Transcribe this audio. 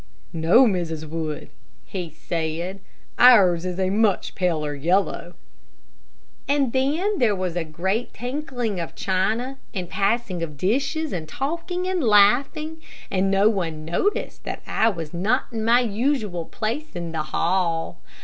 "No, Mrs. Wood," he said; "ours is a much paler yellow," and then there was a great tinkling of china, and passing of dishes, and talking and laughing, and no one noticed that I was not in my usual place in the hall.